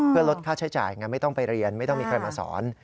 เพื่อลดค่าใช้จ่ายไงไม่ต้องไปเรียนไม่ต้องมีใครมาสอน